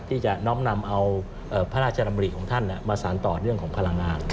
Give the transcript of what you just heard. ที่จะน้อมนำเอาพระราชดำริของท่านมาสารต่อเรื่องของพลังงาน